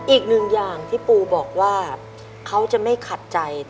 อีกหนึ่งอย่างที่ปูบอกว่าเขาจะไม่ขัดใจ